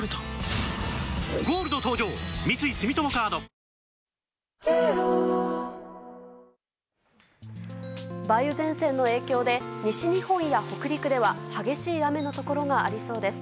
引き続き梅雨前線の影響で西日本や北陸では激しい雨のところがありそうです。